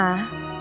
ya kebuka lagi